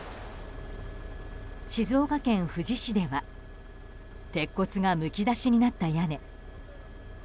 静岡県富士市では鉄骨がむき出しになった屋根。